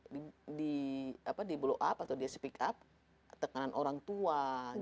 di blow up atau dia speak up tekanan orang tua